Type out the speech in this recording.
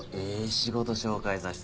仕事紹介させてくれ。